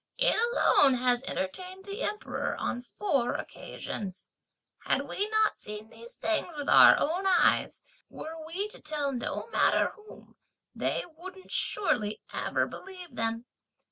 it alone has entertained the Emperor on four occasions! Had we not seen these things with our own eyes, were we to tell no matter whom, they wouldn't surely ever believe them!